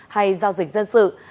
hay giao dịch dân sự